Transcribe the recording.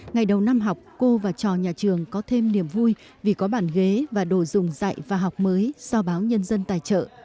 ngày đầu năm học cô và trò nhà trường có thêm niềm vui vì có bàn ghế và đồ dùng dạy và học mới do báo nhân dân tài trợ